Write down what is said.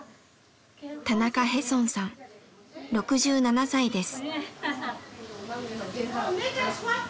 田中ヘソンさん６７歳です。